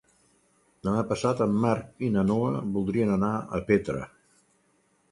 Demà passat en Marc i na Noa voldrien anar a Petra.